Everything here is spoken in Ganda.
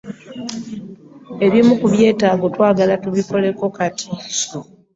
Ebimu ku byetaago twagala tubikoleko kati.